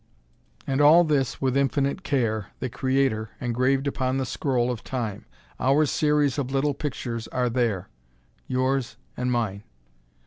And all this, with infinite care, the Creator engraved upon the scroll of Time. Our series of little pictures are there yours and mine.